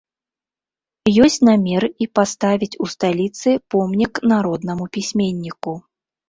Ёсць намер і паставіць у сталіцы помнік народнаму пісьменніку.